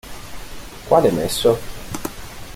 Quale nesso?